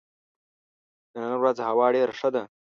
د نن ورځ هوا ډېره ښه ده.